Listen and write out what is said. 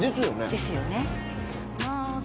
ですよね。ね？